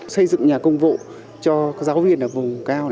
xây dựng nhà công vụ cho giáo viên ở vùng cao